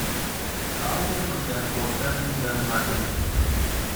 Die Grabungen und deren Auswertungen werden weitergeführt.